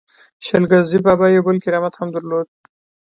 شل ګزی بابا یو بل کرامت هم درلود.